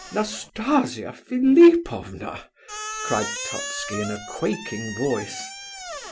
"Nastasia Philipovna!" cried Totski, in a quaking voice.